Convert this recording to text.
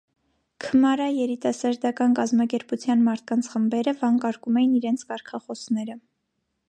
«Քմարա» երիտասարդական կազմակերպության մարդկանց խմբերը վանկարկում էին իրենց կարգախոսները։